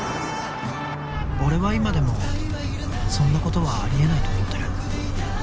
「俺は今でもそんなことはありえないと思ってる」